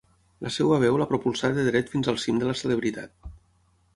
La seva veu la propulsà de dret fins al cim de la celebritat.